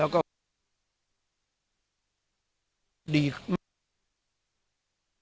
มันก็มันเปลี่ยนคนสนุกด้วยคนสนุกต้องคง